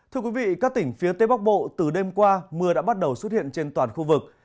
thưa quý vị các tỉnh phía tây bắc bộ từ đêm qua mưa đã bắt đầu xuất hiện trên toàn khu vực